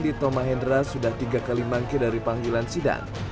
di tomahendra sudah tiga kali manggil dari panggilan sidang